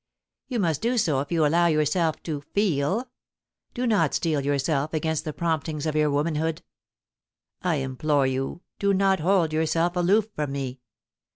* You must do so if you allow yourself iofeei. Do not $teel yourself against the promptings of your womanhood. I implore you do not hold yourself aloof from me.